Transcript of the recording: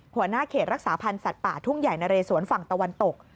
หัวหน้าเขตรักษาพันธ์สัตว์ป่าทุ่งใหญ่นะเรสวนฝั่งตะวันตก